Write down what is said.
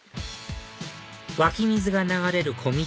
湧き水が流れる小道